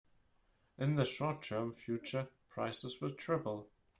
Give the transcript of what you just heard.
In the short term future, prices will triple.